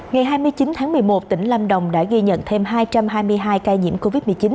ngày hai mươi chín tháng một mươi một tỉnh lâm đồng đã ghi nhận thêm hai trăm hai mươi hai ca nhiễm covid một mươi chín